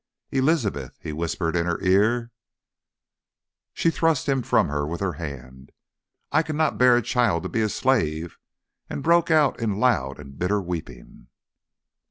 "Elizabeth," he whispered in her ear. She thrust him from her with her hand. "I cannot bear a child to be a slave!" and broke out into loud and bitter weeping.